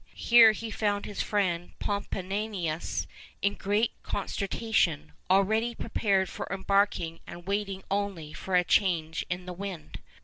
Here he found his friend Pomponianus in great consternation, already prepared for embarking and waiting only for a change in the wind.